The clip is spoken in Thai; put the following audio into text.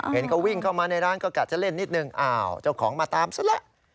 เห็นเขาวิ่งเข้ามาในร้านก็กะจะเล่นนิดนึงอ้าวเจ้าของมาตามซะแล้ว